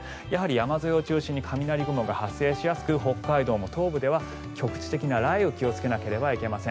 山沿いを中心に雷雲が発生しやすく北海道も東部では局地的な雷雨に気をつけなければなりません。